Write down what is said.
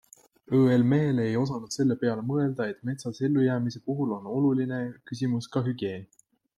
ÕL Mehele ei osanud selle peale mõelda, et metsas ellujäämise puhul on oluline küsimus ka hügieen.